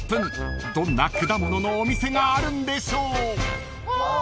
［どんな果物のお店があるんでしょう］